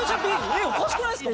えっおかしくないですか？